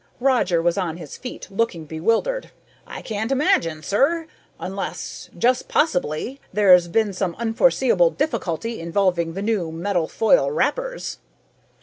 Roger was on his feet, looking bewildered. "I can't imagine, sir, unless just possibly there's been some unforeseeable difficulty involving the new metal foil wrappers."